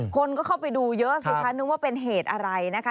คนก็เข้าไปดูเยอะสิคะนึกว่าเป็นเหตุอะไรนะคะ